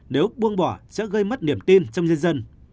nếu buông bỏ sẽ gây mất niềm tin trong nhân dân